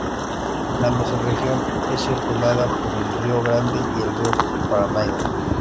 La mesorregión es circundada por el río Grande y el río Paranaíba.